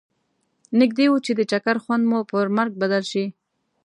نږدي و چې د چکر خوند مو پر مرګ بدل شي.